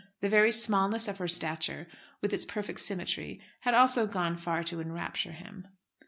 The very smallness of her stature, with its perfect symmetry, had also gone far to enrapture him.